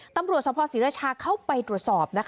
ตำรวจสภศรีราชาเข้าไปตรวจสอบ